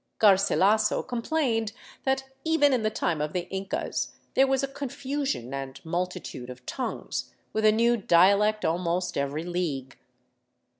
Garsilaso complained that even in the time of the Incas there was a " confusion and multitude of tongues," with a new dialect almost every league.